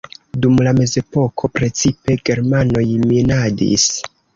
Dum la mezepoko precipe germanoj minadis.